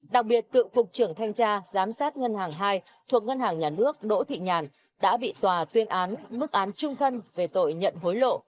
đặc biệt cựu cục trưởng thanh tra giám sát ngân hàng hai thuộc ngân hàng nhà nước đỗ thị nhàn đã bị tòa tuyên án mức án trung thân về tội nhận hối lộ